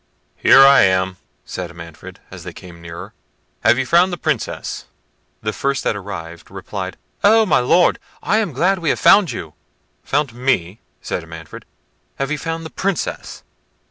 "Here I am," said Manfred, as they came nearer; "have you found the Princess?" The first that arrived, replied, "Oh, my Lord! I am glad we have found you." "Found me!" said Manfred; "have you found the Princess?"